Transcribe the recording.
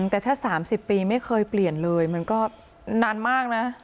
แต่ถ้า๓๐ปีไม่เคยเปลี่ยนเลยมันก็นานมากนะ